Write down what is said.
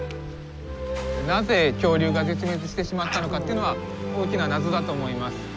なぜ恐竜が絶滅してしまったのかというのは大きな謎だと思います。